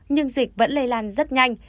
nhưng dịch vẫn lây lan rất nhanh